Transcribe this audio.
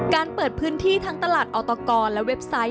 เปิดพื้นที่ทั้งตลาดออตกรและเว็บไซต์